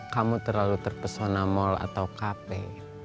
kamu terlalu terpesona mall atau cafe